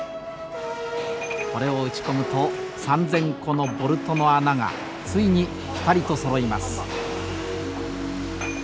これを打ち込むと３，０００個のボルトの穴がついにピタリとそろいます。